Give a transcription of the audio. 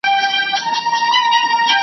وطن به هلته سور او زرغون سي .